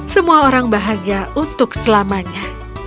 semua orang bahagia untuk selamanya